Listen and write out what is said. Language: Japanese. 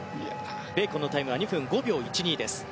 ベーコンのタイムは２分５秒１２です。